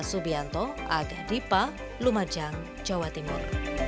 subianto aga dipa lumajang jawa timur